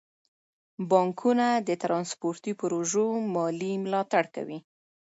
بانکونه د ترانسپورتي پروژو مالي ملاتړ کوي.